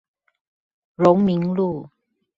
榮民路